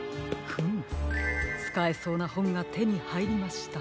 フムつかえそうなほんがてにはいりました。